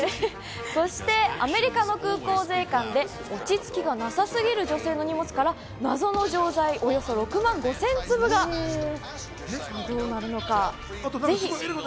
そしてアメリカの空港税関で落ち着きがなさすぎる女性の荷物から謎の錠剤およそ６万５０００粒が一体どうなるのか？